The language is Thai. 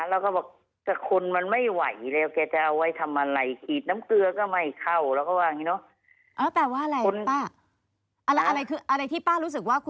แล้วก็บอกคนมันไม่ไหว